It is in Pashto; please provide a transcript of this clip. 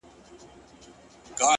• ږغ اوچت کړی دی ,